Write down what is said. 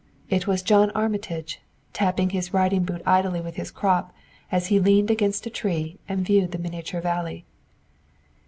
It was John Armitage, tapping his riding boot idly with his crop as he leaned against a tree and viewed the miniature valley.